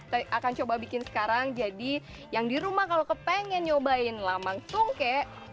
kita akan coba bikin sekarang jadi yang di rumah kalau kepengen nyobain lamang sungke